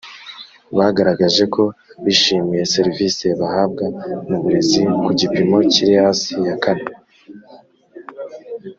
bagaragaje ko bishimiye serivisi bahabwa mu burezi ku gipimo kiri hasi ya kane